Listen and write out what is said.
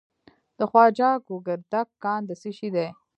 د خواجه ګوګردک کان د څه شي دی؟